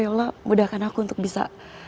ya allah mudahkan aku untuk bisa